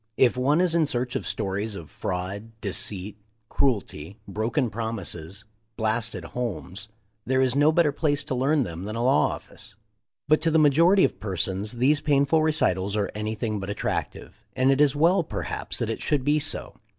If one is in search of stories of fraud, deceit, cruelty, broken promises, blasted homes, there is no better place to learn them than a law office. But to the majority of persons these painful recitals are anything but attractive, and it is well perhaps that it should be so.